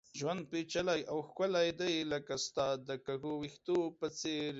ژوند پېچلی او ښکلی دی ، لکه ستا د کږو ويښتو په څېر